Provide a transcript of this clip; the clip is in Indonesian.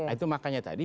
itu makanya tadi